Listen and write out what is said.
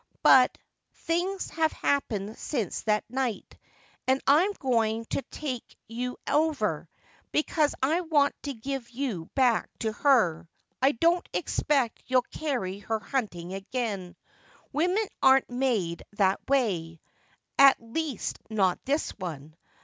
But — things have happened since that night, and I'm going to take you over, because I want to give you back to her. I don't expect you'll carry her hunting again ; women aren't made that 166 WILL YOU TAKE OVER way — at least not this one.